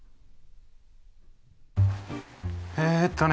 えっとね